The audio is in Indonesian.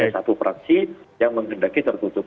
satu praksi yang menggendaki tertutup